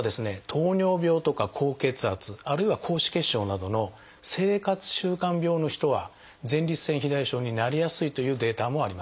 糖尿病とか高血圧あるいは高脂血症などの生活習慣病の人は前立腺肥大症になりやすいというデータもあります。